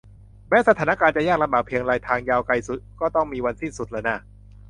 แม้สถานการณ์จะยากลำบากเพียงไรทางยาวไกลต้องมีวันสิ้นสุดล่ะน่า